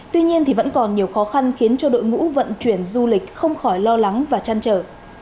tuy nhiên vẫn còn nhiều khó khăn khiến cho đội ngũ vận chuyển du lịch không khỏi lo lắng và chăn trở